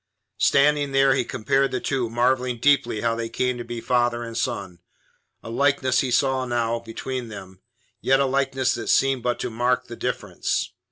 Standing there, he compared the two, marvelling deeply how they came to be father and son. A likeness he saw now between them, yet a likeness that seemed but to mark the difference.